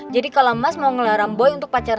jadi kalau mas mau ngelaram boy untuk kembali ke rumah